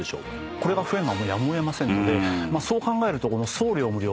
これが増えるのはやむを得ませんのでそう考えると送料無料